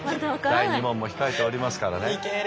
第２問も控えておりますからね。